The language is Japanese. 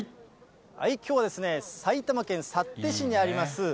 きょうはですね、埼玉県幸手市にあります